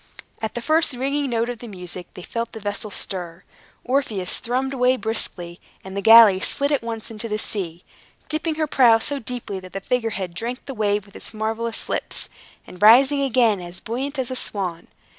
At the first ringing note of the music, they felt the vessel stir. Orpheus thrummed away briskly, and the galley slid at once into the sea, dipping her prow so deeply that the figure head drank the wave with its marvelous lips, and rising again as buoyant as a swan.